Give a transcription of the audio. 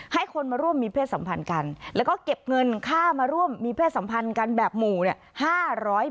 ให้คนมาร่วมมีเพศสัมพันธ์กันแล้วก็เก็บเงินค่ามาร่วมมีเพศสัมพันธ์กันแบบหมู่เนี่ย